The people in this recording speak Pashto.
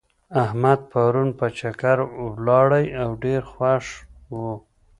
احمد پرون په چکر ولاړی او ډېر خوښ و.